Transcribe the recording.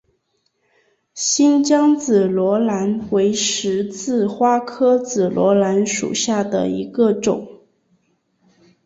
新疆紫罗兰为十字花科紫罗兰属下的一个种。